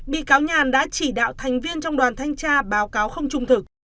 bị cáo nhàn đã chỉ đạo thành viên trong đoàn thanh tra báo cáo không trung thực